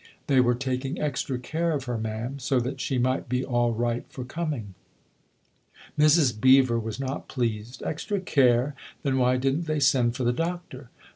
" They were taking extra care of her, ma'am so that she might be all right for coming." Mrs. Beever was not pleased. " Extra care ? Then why didn't they send for the Doctor